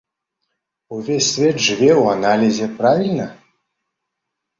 Увесь свет жыве ў аналізе, правільна?